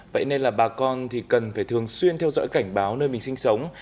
vậy nên là bà con thì cần phải thường xuyên theo dõi cảnh báo nơi mình sinh sống